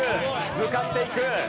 向かっていく。